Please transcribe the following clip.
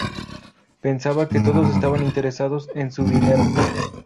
Pensaba que todos estaban interesados en su dinero.